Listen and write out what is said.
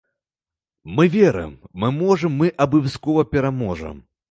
Мы верым, мы можам, мы абавязкова пераможам.